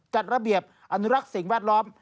จัดระเบียบอนุรักษ์สิ่งแวดล้อม